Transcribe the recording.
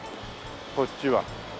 こっちは。